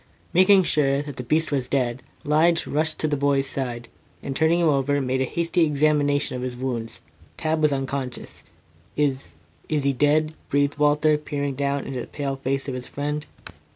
Making sure that the beast was dead, Lige rushed to the boy's side, and turning him over, made a hasty examination of his wounds. Tad was unconscious. "Is is he dead?" breathed Walter, peering down into the pale face of his friend.